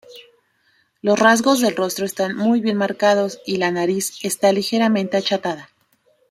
Los rasgos del rostro están muy bien marcados y la nariz está ligeramente achatada.